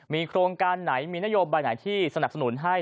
มีโครงการไหนมีนโยบายไหนที่สนับสนุนให้